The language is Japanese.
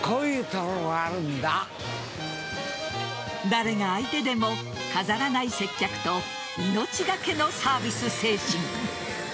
誰が相手でも飾らない接客と命がけのサービス精神。